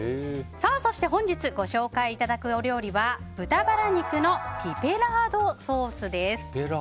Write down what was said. そして本日ご紹介いただく料理は豚バラ肉のピペラードソースです。